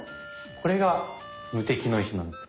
これが無敵の石なんです。